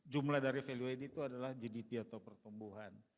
jumlah dari value ini itu adalah gdp atau pertumbuhan